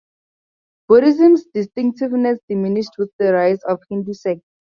Buddhism's distinctiveness diminished with the rise of Hindu sects.